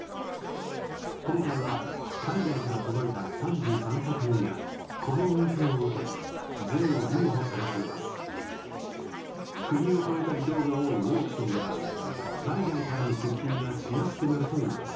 今回は海外から届いた３３作品が、この恩恵を受け税を留保されています。